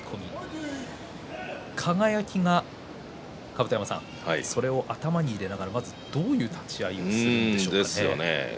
輝は甲山さんそれを頭に入れながらどういう立ち合いをしますかね。